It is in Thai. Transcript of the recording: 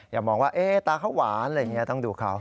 อย่ามองว่าตาเขาหวานอะไรอย่างนี้ต้องดูเขา